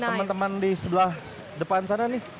coba mungkin di teman teman di sebelah depan sana nih